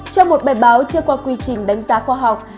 trong một bài báo chưa qua quy trình đánh giá khoa học